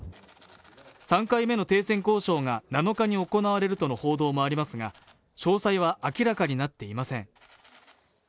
３回目の停戦交渉が７日に行われるとの報道もありますが、詳細は明らかになっていません。